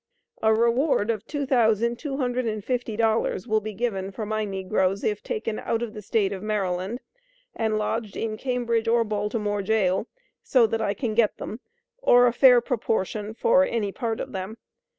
A Reward of $2250. will be given for my negroes if taken out of the State of Maryland and lodged in Cambridge or Baltimore Jail, so that I can get them or a fair proportion for any part of them.